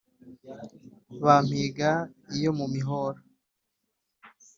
bampiga iyo mu mihora